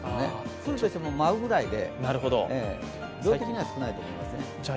降るとしても舞うぐらいで、量的には少ないと思います。